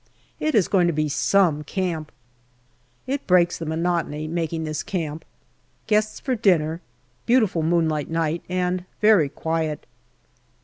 It is going to be " some " camp. It breaks the monotony, making this camp. Guests for dinner. Beautiful moonlight night and very quiet.